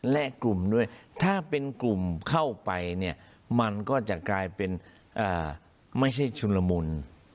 และกลุ่มด้วยถ้าเป็นกลุ่มเข้าไปเนี่ยมันก็จะกลายเป็นไม่ใช่ชุนละมุน